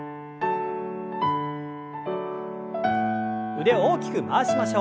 腕を大きく回しましょう。